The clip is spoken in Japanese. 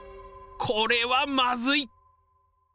これはまずい！